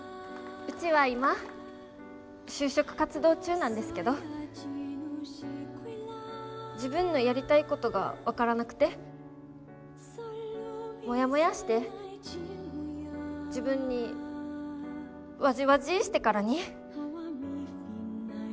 うちは今就職活動中なんですけど自分のやりたいことが分からなくてもやもやーして自分にわじわじーしてからに。